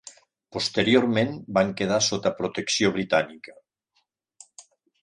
Posteriorment van quedar sota protecció britànica.